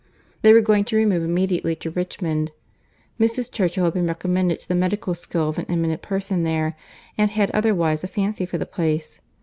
They were going to remove immediately to Richmond. Mrs. Churchill had been recommended to the medical skill of an eminent person there, and had otherwise a fancy for the place.